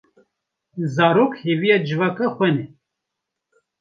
Zarok hêviya civaka xwe ne.